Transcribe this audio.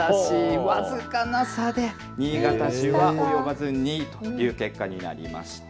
僅かな差で新潟市は及ばず２位という結果になりました。